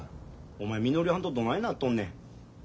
お前みのりはんとどないなっとんねん。